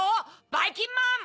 ばいきんまん！